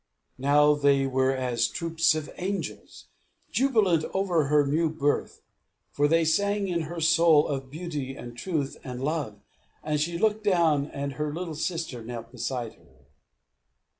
Now they were as troops of angels, jubilant over her new birth, for they sang, in her soul, of beauty, and truth, and love. She looked down, and her little sister knelt beside her.